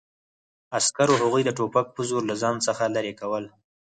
عسکرو هغوی د ټوپک په زور له ځان څخه لرې کول